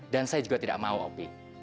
dan saya juga tidak mau opi